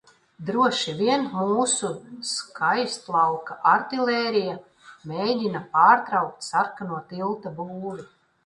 Droši vien mūsu Skaistlauka artilērija mēģina pārtraukt sarkano tilta būvi.